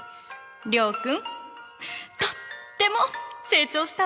諒君とっても成長したわね。